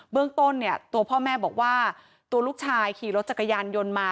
เรื่องต้นเนี่ยตัวพ่อแม่บอกว่าตัวลูกชายขี่รถจักรยานยนต์มา